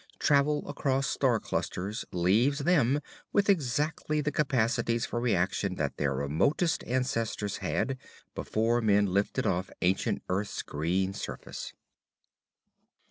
Travel across star clusters leaves them with exactly the capacities for reaction that their remotest ancestors had, before men lifted off ancient Earth's green surface.